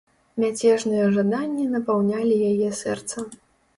Мяцежныя жаданні напаўнялі яе сэрца.